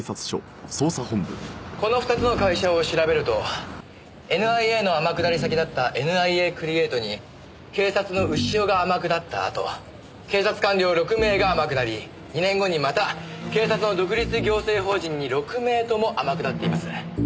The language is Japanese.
この２つの会社を調べるとＮＩＡの天下り先だったＮＩＡクリエイトに警察の潮が天下ったあと警察官僚６名が天下り２年後にまた警察の独立行政法人に６名とも天下っています。